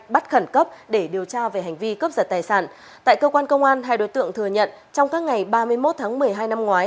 bắt khẩn cấp để điều tra về hành vi cướp giật tài sản tại cơ quan công an hai đối tượng thừa nhận trong các ngày ba mươi một tháng một mươi hai năm ngoái